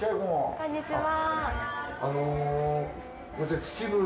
こんにちは。